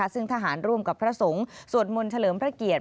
ซึ่งทหารร่วมกับพระสงฆ์สวดมนต์เฉลิมพระเกียรติ